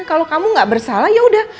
kalau kamu gak bersalah yaudah